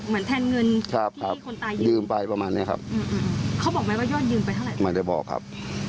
แล้วได้คืนพระไหมสุดยอดครับได้ครับ